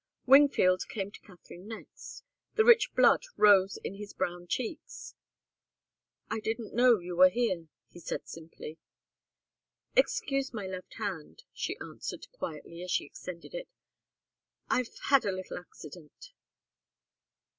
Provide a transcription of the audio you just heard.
Wingfield came to Katharine next. The rich blood rose in his brown cheeks. "I didn't know you were here," he said, simply. "Excuse my left hand," she answered, quietly, as she extended it. "I've had a little accident."